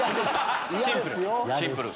シンプル。